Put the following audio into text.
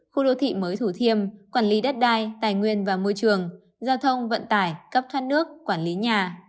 khu đô thị mới thủ thiêm quản lý đất đai tài nguyên và môi trường giao thông vận tải cấp thoát nước quản lý nhà